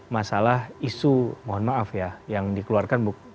masalah isu mohon maaf ya yang dikeluarkan